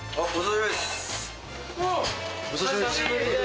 お久しぶりです！